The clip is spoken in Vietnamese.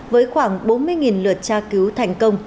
với khoảng bốn mươi lượt tra cứu thành công